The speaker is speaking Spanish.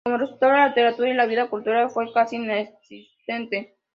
Como resultado, la literatura y la vida cultural fue casi inexistente.